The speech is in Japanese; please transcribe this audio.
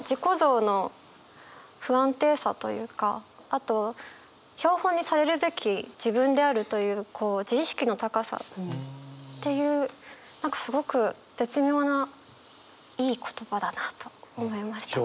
あと標本にされるべき自分であるという自意識の高さっていう何かすごく絶妙ないい言葉だなと思いました。